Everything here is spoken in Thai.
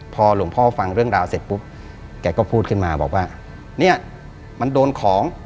พอหลวงพ่อฟังเรื่องราวเสร็จปุ๊บแกก็พูดขึ้นมาบอกว่าเนี่ยมันโดนของ